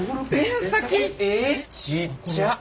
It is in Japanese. えちっちゃ！